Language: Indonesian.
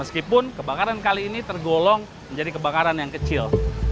meskipun kebakaran kali ini tergolong menjadi kebakaran yang kecil